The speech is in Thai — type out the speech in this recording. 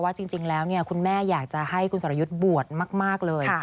จริงแล้วคุณแม่อยากจะให้คุณสรยุทธ์บวชมากเลย